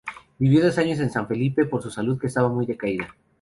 Vivió dos años en San Felipe por su salud que estaba muy decaída.